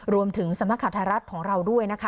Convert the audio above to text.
รวมถึงสมรรคธรรมดิ์ของเราด้วยนะคะ